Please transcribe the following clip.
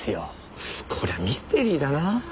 こりゃミステリーだなぁ。